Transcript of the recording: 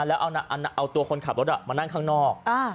แล้วเอาตัวคนขับรถมานั่งข้างนอก